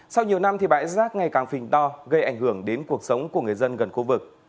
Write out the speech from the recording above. sau nhiều năm bãi rác ngày càng phình to gây ảnh hưởng đến cuộc sống của người dân gần khu vực